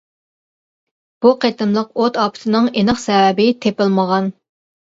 بۇ قېتىملىق ئوت ئاپىتىنىڭ ئېنىق سەۋەبى تېپىلمىغان.